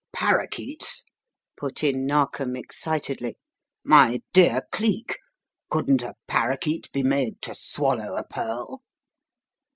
"Parakeets?" put in Narkom excitedly. "My dear Cleek, couldn't a parakeet be made to swallow a pearl?"